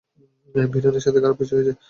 ভিরেনের সাথে খারাপ কিছু হয়েছে!